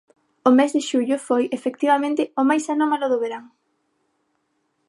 O mes de xullo foi, efectivamente, o máis anómalo do verán.